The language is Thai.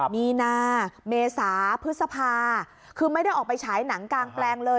มีนาเมษาพฤษภาคือไม่ได้ออกไปฉายหนังกลางแปลงเลย